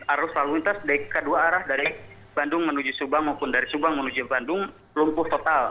arus lalu lintas dari kedua arah dari bandung menuju subang maupun dari subang menuju bandung lumpuh total